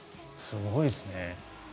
すごいですね。